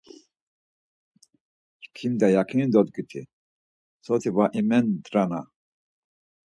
Çkimda yakini dodgiti, soti va imendrana.